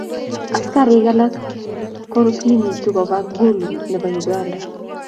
Askarik alak konkikimut kopa Gulu nepo Uganda.